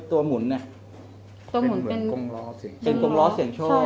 ตัวหมุนเป็นเหมือนกงลอเสียงเป็นกงลอเสียงชอบใช่ค่ะ